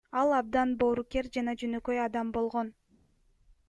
Ал абдан боорукер жана жөнөкөй адам болгон.